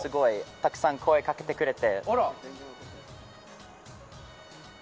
たくさん声かけてくれて。